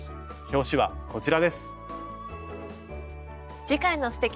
表紙はこちらです。